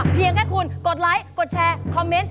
เพียงแค่คุณกดไลค์กดแชร์คอมเมนต์